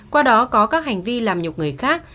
qua đó có các hành vi làm nhục người khác